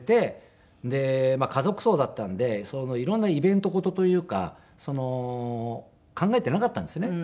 で家族葬だったんで色んなイベント事というか考えていなかったんですよね。